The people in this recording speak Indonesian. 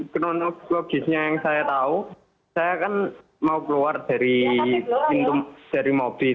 kronologisnya yang saya tahu saya kan mau keluar dari pintu dari mobil